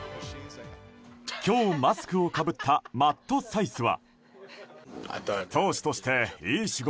今日マスクをかぶったマット・サイスは。